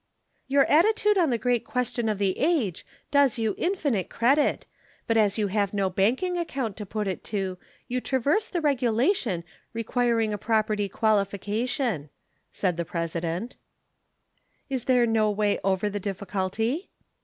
"Your attitude on the great question of the age does you infinite credit, but as you have no banking account to put it to, you traverse the regulation requiring a property qualification," said the President. "Is there no way over the difficulty?"